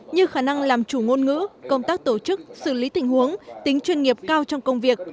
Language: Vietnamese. như khả năng làm chủ ngôn ngữ công tác tổ chức xử lý tình huống tính chuyên nghiệp cao trong công việc